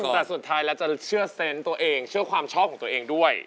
แต่สุดท้ายแล้วจะเชื่อเซนต์ตัวเองเชื่อความชอบของตัวเองด้วย